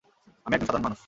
আমি একজন সাধারণ মানুষ।